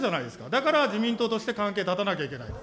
だから自民党として関係断たなきゃいけない。